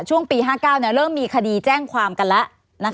ช่วงปี๕๙เริ่มมีคดีแจ้งความกันแล้ว